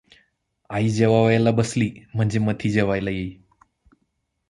आई जेवावयाला बसली म्हणजे मथी जेवायला येई.